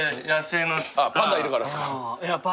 パンダいるからですか？